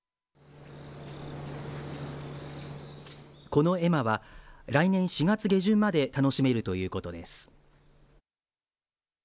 この絵馬は来年４月下旬まで楽しめるということです。